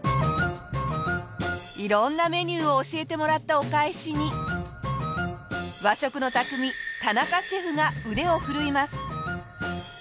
色んなメニューを教えてもらったお返しに和食の匠田中シェフが腕を振るいます。